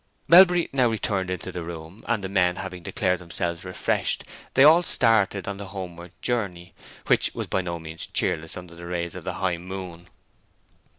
Melbury now returned to the room, and the men having declared themselves refreshed, they all started on the homeward journey, which was by no means cheerless under the rays of the high moon.